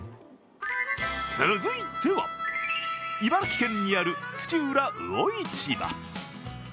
続いては、茨城県にある土浦魚市場。